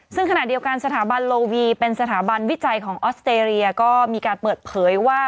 ซึ่งขณะเดียวกันสถาบันโลวีเป็นสถาบันวิจัยของออสเตรเลียก็มีการเปิดเผยว่า